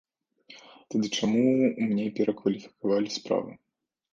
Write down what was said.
Тады чаму мне перакваліфікавалі справу?